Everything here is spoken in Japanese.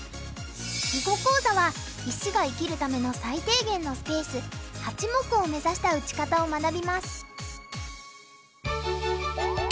囲碁講座は石が生きるための最低限のスペース８目を目指した打ち方を学びます。